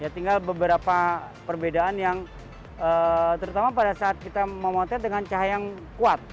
tinggal beberapa perbedaan yang terutama pada saat kita memotret dengan cahaya yang kuat